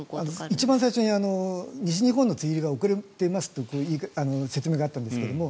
一番最初に西日本の梅雨入りが遅れていますという説明があったんですけど